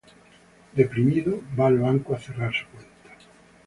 Deprimido, va al banco a cerrar su cuenta.